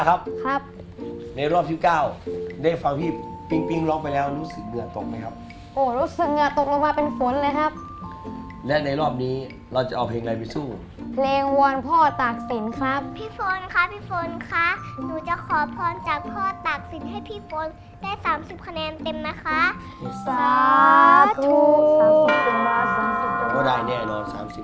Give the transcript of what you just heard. ขอบคุณพี่เลี้ยงมากครับขอบคุณพี่เลี้ยงมากขอบคุณพี่เลี้ยงมากขอบคุณพี่เลี้ยงมากขอบคุณพี่เลี้ยงมากขอบคุณพี่เลี้ยงมากขอบคุณพี่เลี้ยงมากขอบคุณพี่เลี้ยงมากขอบคุณพี่เลี้ยงมากขอบคุณพี่เลี้ยงมากขอบคุณพี่เลี้ยงมากขอบคุณพี่เลี้ยงมาก